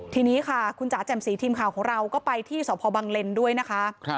ทีนี้ค่ะคุณจ๋าแจ่มสีทีมข่าวของเราก็ไปที่สพบังเลนด้วยนะคะ